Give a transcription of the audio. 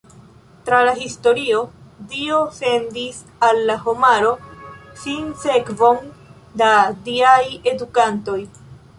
Tra la historio Dio sendis al la homaro sinsekvon da diaj Edukantoj.